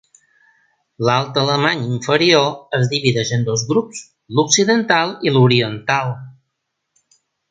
L'alt alemany inferior es divideix en dos grups: l'occidental i l'oriental.